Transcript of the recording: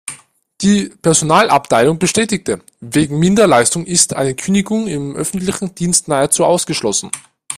Die Personalabteilung bestätigte: Wegen Minderleistung ist eine Kündigung im öffentlichen Dienst nahezu ausgeschlossen.